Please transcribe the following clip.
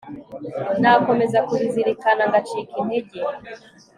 nakomeza kubizirikana, ngacika intege